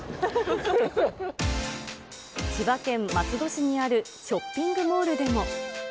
千葉県松戸市にあるショッピングモールでも。